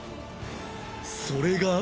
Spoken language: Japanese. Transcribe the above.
それが